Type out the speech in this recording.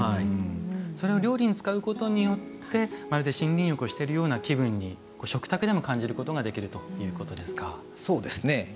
料理に使うことによってまるで森林浴をしているような気分に食卓でも感じることができるということですか。